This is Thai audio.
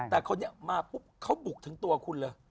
แต่คนนี้มาปุ๊บเขาบุกถึงตัวคุณเลย